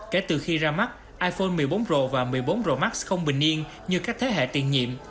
kể từ khi ra mắt iphone một mươi bốn pro và một mươi bốn pro max không bình yên như các thế hệ tiền nhiệm